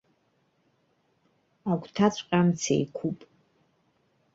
Агәҭаҵәҟьа амца еиқәуп.